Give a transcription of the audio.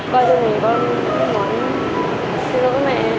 coi như mình có muốn giữ mẹ